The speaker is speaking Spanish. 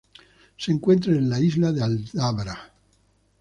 Se encuentra en la isla de Aldabra.